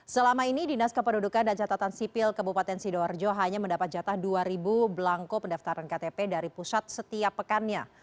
selama ini dinas kependudukan dan catatan sipil kabupaten sidoarjo hanya mendapat jatah dua belangko pendaftaran ktp dari pusat setiap pekannya